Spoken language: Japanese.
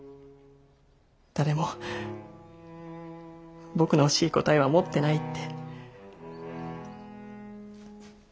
誰も僕の欲しい答えは持ってないって。